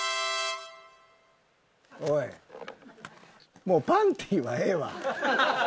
おいもうパンティーはええわ。